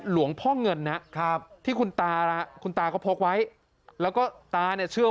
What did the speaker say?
หลวงพ่อเงินนะครับที่คุณตาคุณตาเขาพกไว้แล้วก็ตาเนี่ยเชื่อ